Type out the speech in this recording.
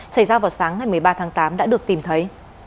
xảy ra vào sáng ngày một mươi ba tháng tám đã được tìm thấy